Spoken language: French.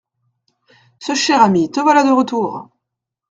Ce cher ami, te voilà de retour !